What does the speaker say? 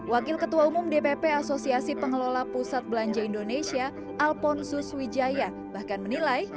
wakil ketua umum dpp asosiasi pengelola pusat belanja indonesia alponsus wijaya bahkan menilai